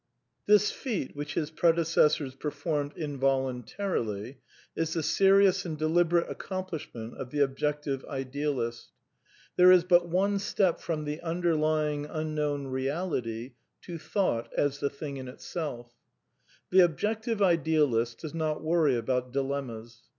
This feat which his predecessors performed involun tarily, is the serious and deliberate accomplishment of the Objective Idealist. There is but one step from the Un ^^^ derlying Unknown Reality to Thought as the Thing in Itself. The Objective Idealist does not worry about dilenmias.